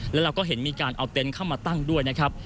แล้วเราก็เห็นมีการเอาเต็นต์เข้ามาตั้งด้วยนะครับ